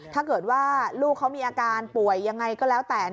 ถ้าเกิดว่าลูกเขามีอาการป่วยยังไงก็แล้วแต่